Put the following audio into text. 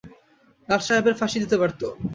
লাট সাহেবের ফাঁসি দিতে পারত।